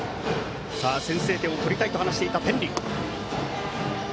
先制点を取りたいと話していた天理。